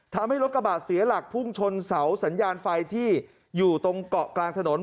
ทำให้รถกระบะเสียหลักพุ่งชนเสาสัญญาณไฟที่อยู่ตรงเกาะกลางถนน